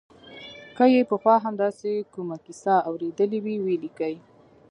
که یې پخوا هم داسې کومه کیسه اورېدلې وي ولیکي.